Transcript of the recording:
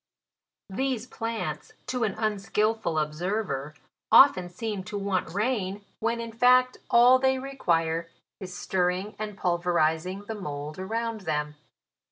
These plants, to an unskilful observer, often seem to want rain, when in fact all they re quire is stirring and pulverizing the mould around them.